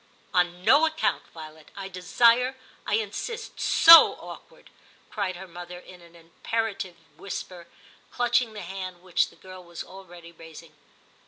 * On no account. Violet ! I desire, I insist ; so awkward !' cried her mother in an impera tive whisper, clutching the hand which the girl was already raising.